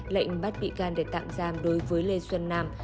lệnh bắt bị can để tạm giam đối với lê xuân nam